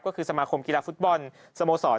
ก็คือสมาคมกีฬาฟุตบอลสโมสร